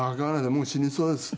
もう死にそうです。